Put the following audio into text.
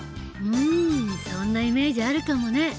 うんそんなイメージあるかもね。